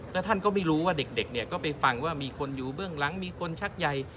แล้วท่านก็ไม่รู้ว่าเด็กเนี่ยก็ไปฟังว่ามีคนอยู่เบื้องหลังมีคนชักใย